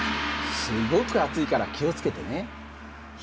すごく熱いから気を付けてね。